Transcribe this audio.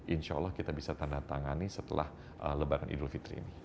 insya allah kita bisa tanda tangani setelah lebaran idul fitri ini